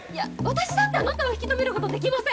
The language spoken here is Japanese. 私だってあなたを引き止めることできません！